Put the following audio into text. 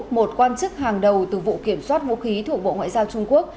một quan chức hàng đầu từ vụ kiểm soát vũ khí thuộc bộ ngoại giao trung quốc